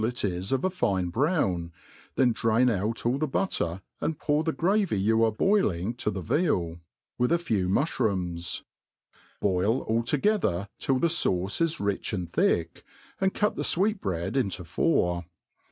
ic is of a fine brown, then drain out all the but* ter, and pour the gravy you are boiling to^he veal, with at few mufhrooms: boil all together till the faUce is rich and thick, and cut the fweetbread into four.